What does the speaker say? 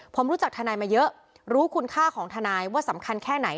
ผมรู้จักทนายมาเยอะรู้คุณค่าของทนายว่าสำคัญแค่ไหน